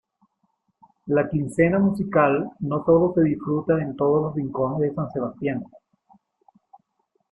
La Quincena Musical no sólo se disfruta en todos los rincones de San Sebastián.